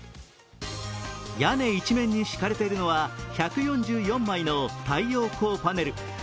屋根一面に敷かれているのは１４４枚の太陽光パネル。